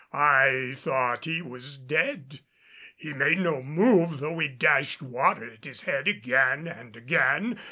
I thought that he was dead. He made no move though we dashed water at his head again and again.